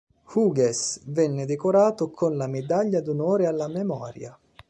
Hughes venne decorato con la medaglia d'onore alla memoria.